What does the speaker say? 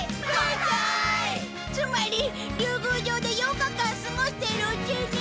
つまり竜宮城で８日間過ごしているうちに。